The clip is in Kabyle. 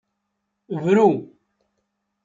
Bru.